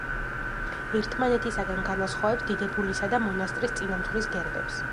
ერთმანეთისაგან განასხვავებს დიდებულისა და მონასტრის წინამძღვრის გერბებს.